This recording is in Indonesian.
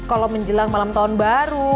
kalau menjelang malam tahun baru